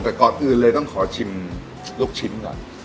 แต่ก่อนอื่นเลยต้องขอชิมลูกชิ้นก่อน